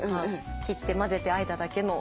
切って混ぜてあえただけの。